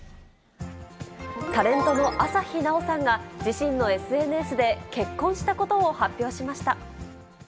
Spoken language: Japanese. タレントの朝日奈央さんが、自身のＳＮＳで結婚したことを発表しました。